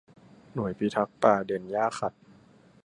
หน่วยพิทักษ์ป่าเด่นหญ้าขัด